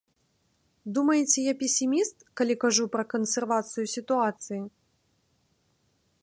Думаеце, я песіміст, калі кажу пра кансервацыю сітуацыі?